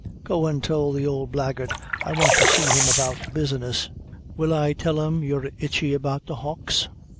Go an' tell the old blackguard I want to see him about business." "Will I tell him you're itchy about the houghs?